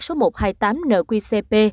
số một trăm hai mươi tám nqcp